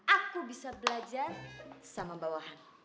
aku bisa belajar sama mba wahan